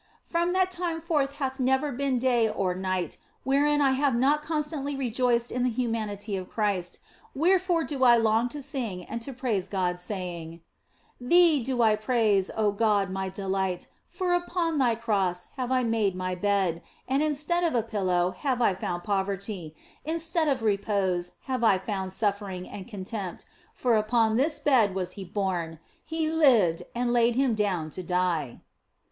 From that time forth there hath never been day or night wherein I have not constantly rejoiced in the humanity of Christ, wherefore do I long to sing and to praise God, saying :" Thee do I praise, oh God my delight, for upon Thy Cross have I made my bed, and instead of a pillow have I found poverty, instead of repose have I found suffering and contempt, for upon this bed was He born, He lived, and laid Him down to die."